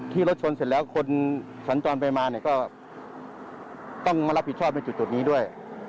รถชนเสร็จแล้วคนสัญจรไปมาเนี่ยก็ต้องมารับผิดชอบในจุดนี้ด้วย